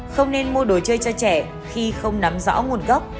không nên mua đồ chơi cho trẻ khi không nắm rõ nguồn gốc